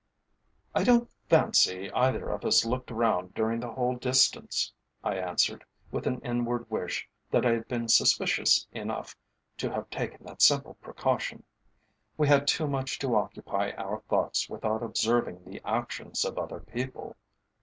"I don't fancy either of us looked round during the whole distance," I answered, with an inward wish that I had been suspicious enough to have taken that simple precaution. "We had too much to occupy our thoughts without observing the actions of other people."